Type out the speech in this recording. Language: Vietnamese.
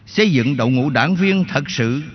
xây dựng đồng ngũ đảng viên thật sự